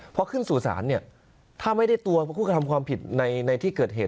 พอขึ้นสู่ศาลเนี่ยถ้าไม่ได้ตัวผู้กระทำความผิดในที่เกิดเหตุ